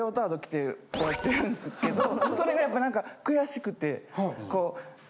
こうやってるんですけどそれがやっぱ悔しくて。